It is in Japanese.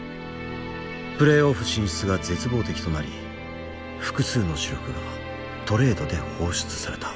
プレーオフ進出が絶望的となり複数の主力がトレードで放出された。